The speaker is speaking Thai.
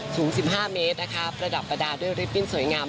สูง๑๕เมตรนะคะประดับประดาษด้วยริปบิ้นสวยงาม